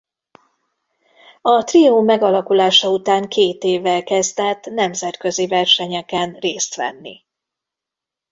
A trió megalakulása után két évvel kezdett nemzetközi versenyeken részt venni.